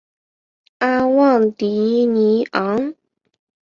阿旺蒂尼昂。